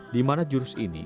dimana jurus ini